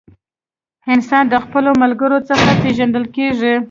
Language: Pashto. انسان د خپلو ملګرو څخه پیژندل کیږي.